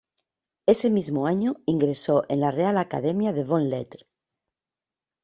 Ese mismo año ingresó en la Reial Academia de Bones Lletres.